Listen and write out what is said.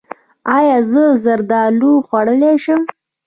ایا زه زردالو خوړلی شم؟